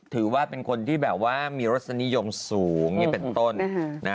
ถือว่าเป็นคนที่แบบว่ามีรสนิยมสูงเป็นต้น